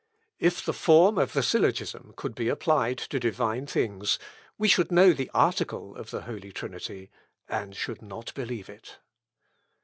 "If the form of the syllogism could be applied to divine things, we should know the article of the Holy Trinity, and should not believe it.